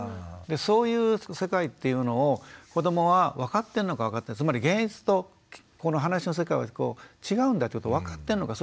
そういう世界っていうのを子どもは分かってんのか分かってないのかつまり現実とこの話の世界は違うんだっていうことを分かってるのか